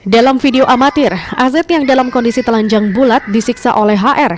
dalam video amatir az yang dalam kondisi telanjang bulat disiksa oleh hr